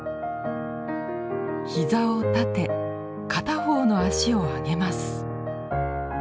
膝を立て片方の脚を上げます。